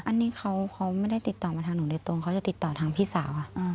อันนี้เขาไม่ได้ติดต่อมาทางหนูโดยตรงเขาจะติดต่อทางพี่สาวค่ะ